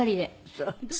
そうですか。